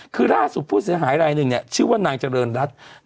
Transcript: คือล่าสุดผู้เสียหายรายหนึ่งเนี่ยชื่อว่านางเจริญรัฐ